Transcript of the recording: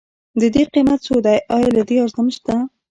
ددې قيمت څو دی؟ ايا له دې ارزان شته؟